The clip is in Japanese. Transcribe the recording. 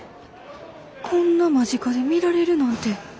こんな間近で見られるなんて。